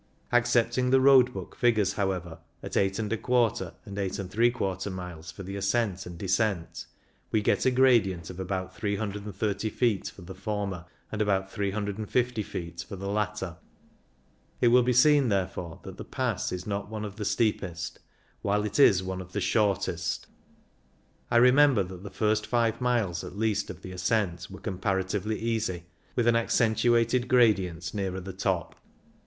Accepting the Road Book figures, however, at Z\ and 8f miles for the ascent and descent, we get a gradient of about 330 feet for the former and about 350 feet for the latter. It will be seen, therefore, that the Pass is not one of the steepest, while it is one of the shortest. I remember that the first five miles at least of the ascent were comparatively easy, with an accentuated gradient nearer the top.